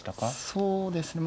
そうですね。